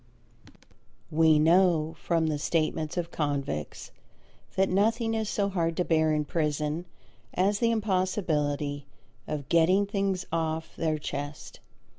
We know from the statements of convicts that nothing is so hard to bear in prison as the impossibility of "getting things off their chest."